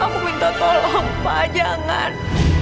aku minta tolong pak jangan